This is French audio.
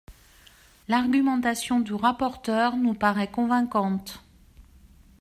L’argumentation du rapporteur nous paraît convaincante.